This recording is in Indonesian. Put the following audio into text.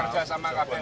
kerja sama kpm